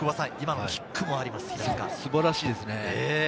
素晴らしいですね。